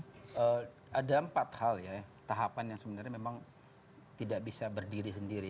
ya ada empat hal ya tahapan yang sebenarnya memang tidak bisa berdiri sendiri